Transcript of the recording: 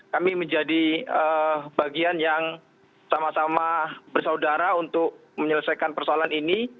kami menjadi bagian yang sama sama bersaudara untuk menyelesaikan persoalan ini